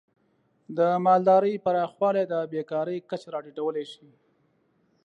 د مالدارۍ پراخوالی د بیکاری کچه راټیټولی شي.